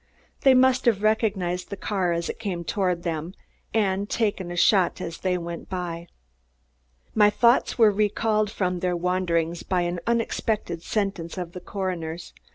They must have recognized the car as it came toward them and taken a shot as they went by. My thoughts were recalled from their wanderings by an unexpected sentence of the coroner's.